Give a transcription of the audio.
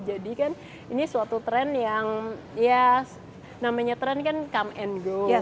jadi kan ini suatu trend yang ya namanya trend kan come and go